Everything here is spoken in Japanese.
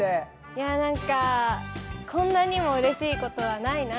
いや何かこんなにもうれしい事はないなっていう。